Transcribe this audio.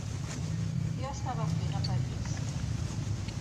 Què estava fent a París?